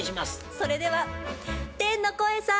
それでは天の声さん！